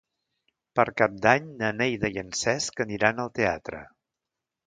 Per Cap d'Any na Neida i en Cesc aniran al teatre.